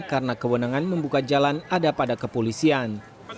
karena kewenangan membuka jalan ada pada kepolisian